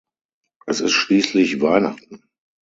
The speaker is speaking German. Es ist schließlich Weihnachten.